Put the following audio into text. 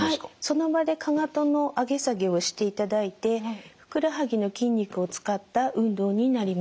その場でかかとの上げ下げをしていただいてふくらはぎの筋肉を使った運動になります。